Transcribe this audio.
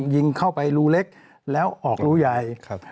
ยิงเข้าไปรูเล็กแล้วออกรูใหญ่